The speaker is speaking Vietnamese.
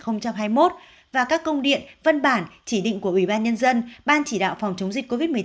năm hai nghìn hai mươi một và các công điện văn bản chỉ định của ủy ban nhân dân ban chỉ đạo phòng chống dịch covid một mươi chín